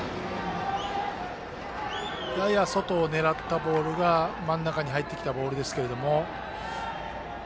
やや外を狙ったボールが真ん中に入ってきましたけれども。